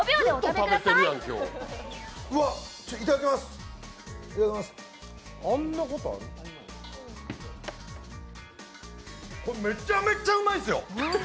めっちゃめちゃうまいっすよ。